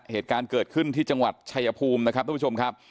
เหตุการณ์เกิดขึ้นที่จังหวัดชายภูมินะครับทุกผู้ชมครับ